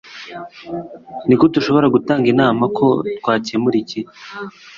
Nigute ushobora gutanga inama ko twakemura iki